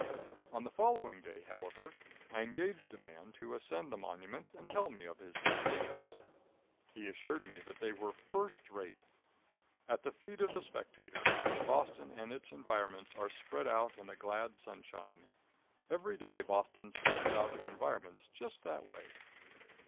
On the following day, however, I engaged a man to ascend the monument and tell me his sensations. He assured me that they were first rate. At the feet of the spectator Boston and its environments are spread out in the glad sunshine. Every day Boston spreads out her environments just that way.